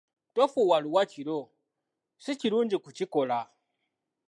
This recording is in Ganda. Tofuuwa luwa kiro, si kirungi kukikola.